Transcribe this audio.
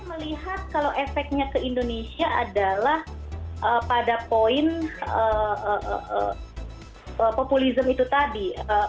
saya melihat kalau efeknya ke indonesia adalah pada poin populisme itu tadi